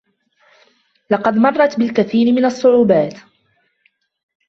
لقد مرَّت بالكثير من الصعوبات.